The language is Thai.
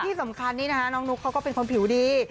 ที่สำคัญนี่นะคะน้องนุ๊กเขาก็เป็นคนผิวดี